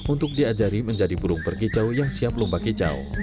untuk diajari menjadi burung berkicau yang siap lomba kicau